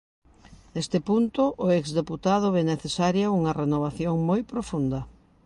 Neste punto, o ex deputado ve "necesaria" unha renovación "moi profunda".